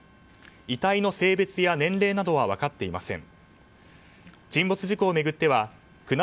遺体の性別や年齢などは分かっていません。